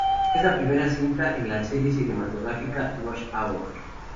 Es la primera cinta en la serie cinematográfica "Rush Hour".